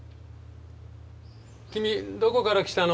君どこから来たの？